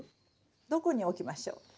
どこに置きましょう？